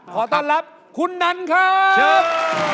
ขอต้อนรับคุณนันครับ